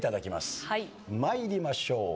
参りましょう。